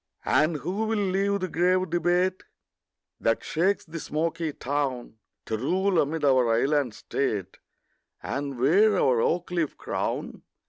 And who will leave the grave debate That shakes the smoky town, To rule amid our island state, And wear our oak leaf crown?